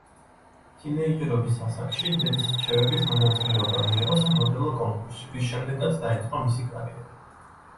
თინეიჯერობის ასაკში დედის რჩევებით მონაწილეობა მიიღო სამოდელო კონკურსში, რის შემდეგაც დაიწყო მისი კარიერა.